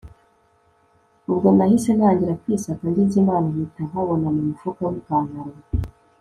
ubwo nahise ntangira kwisaka , ngize imana mpita nkabona mumufuka wipantaro